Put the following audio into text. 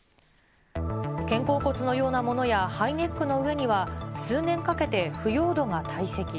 肩甲骨のようなものやハイネックの上には、数年かけて腐葉土が堆積。